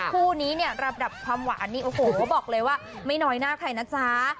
คู่นี้รับดับความหวานโอ้โหบอกเลยว่าไม่นอยหน้าใครนะจ้า